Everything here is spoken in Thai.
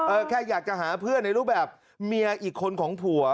แค่อยากจะหาเพื่อนในรูปแบบเมียอีกคนของผัว